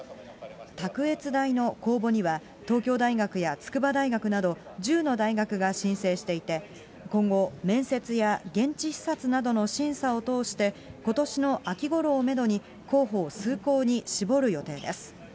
卓越大の公募には東京大学や筑波大学など、１０の大学が申請していて、今後、面接や現地視察などの審査を通して、ことしの秋ごろをメドに、候補を数校に絞る予定です。